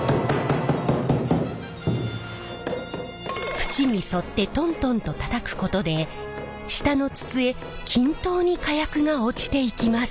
縁に沿ってトントンとたたくことで下の筒へ均等に火薬が落ちていきます。